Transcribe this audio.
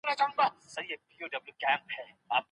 د هر يوه د مړيني په صورت کي.